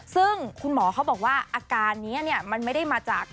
ซึ่งคุณหมอเขาบอกว่าอาการนี้มันไม่ได้มาจาก